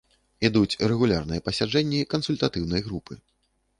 Ідуць рэгулярныя пасяджэнні кансультатыўнай групы.